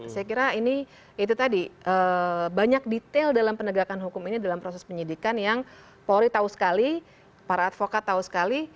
saya kira ini itu tadi banyak detail dalam penegakan hukum ini dalam proses penyidikan yang polri tahu sekali para advokat tahu sekali